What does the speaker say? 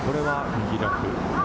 右ラフ。